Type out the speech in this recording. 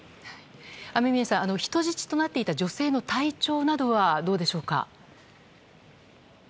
雨宮さん、人質となっていた女性の体調などはどうでしょうか？